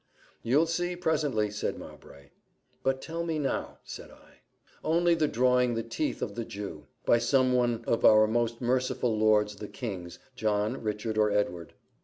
"You'll see, presently," said Mowbray. "But tell me now," said I. "Only the drawing the teeth of the Jew, by order of some one of our most merciful lords the kings John, Richard, or Edward."